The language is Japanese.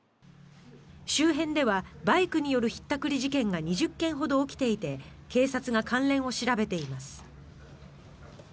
周辺ではバイクによるひったくり事件が２０件ほど起きていて警察が関連を調べています。